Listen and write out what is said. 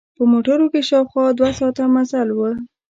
په موټر کې شاوخوا دوه ساعته مزل و.